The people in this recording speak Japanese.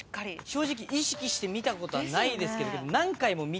正直意識して見たことはないですけど何回も見てるので。